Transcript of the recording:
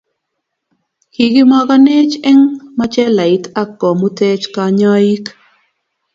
Kikimogonech eng machelait ak komuteech kanyoiik.